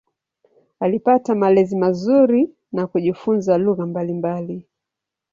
Alipata malezi mazuri na kujifunza lugha mbalimbali.